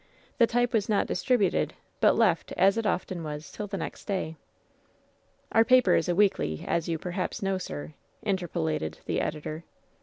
The type was not distributed, but left, as it often was, till the next day." "Our paper is a weekly, as you, perhaps, know, sir," interpolated the editor.